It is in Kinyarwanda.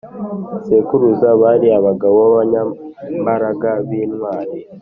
sekuruza bari abagabo b abanyambaraga b intwari